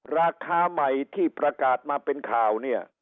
ราคาใหม่ที่ประกาศมาเป็นข่าวเนี่ย